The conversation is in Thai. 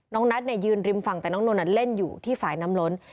นัทยืนริมฝั่งแต่น้องนนท์เล่นอยู่ที่ฝ่ายน้ำล้น